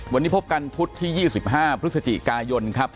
วันนี้พบกันพุธที่๒๕พฤศจิกายนครับ